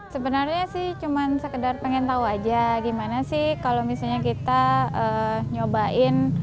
sebenarnya sih cuma sekedar pengen tahu aja gimana sih kalau misalnya kita nyobain